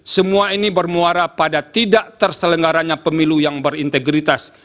semua ini bermuara pada tidak terselenggaranya pemilu yang berintegritas